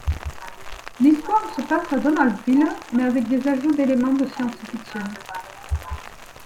L'histoire se passe à Donaldville, mais avec des ajouts d'éléments de science-fiction.